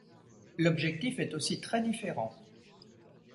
L'objectif est aussi très différent.